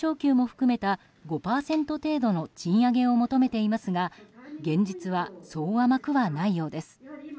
労働組合を束ねる連合は定期昇給も含めた５％程度の賃上げを求めていますが現実はそう甘くはないようです。